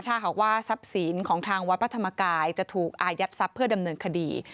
ถ้าหากว่าทรัพย์สินของทางวัดพระธรรมกายจะถูกอายัดทรัพย์เพื่อดำเนินคดี